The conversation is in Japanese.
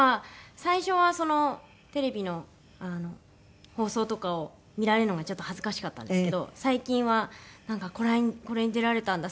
最初はそのテレビの放送とかを見られるのがちょっと恥ずかしかったんですけど最近はなんか「これに出られたんだ。